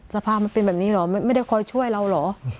สภาพมันเป็นแบบนี้เหรอไม่ได้คอยช่วยเราเหรอ